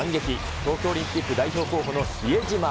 東京オリンピック代表候補の比江島。